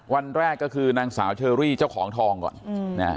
วันแรกก็คือนางสาวเชอรี่เจ้าของทองก่อน